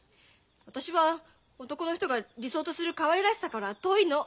私は男の人が理想とするかわいらしさからは遠いの。